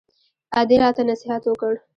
ادې راته نصيحت وکړ.